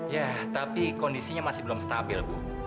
ya tapi kondisinya masih belum stabil bu